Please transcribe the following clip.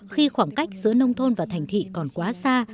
khi khoảng cách giữa nông thôn và thành thị còn quá xa